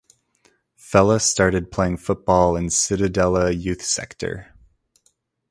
Fella started playing football in Cittadella Youth Sector.